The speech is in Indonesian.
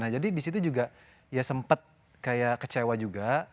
nah jadi disitu juga ya sempat kayak kecewa juga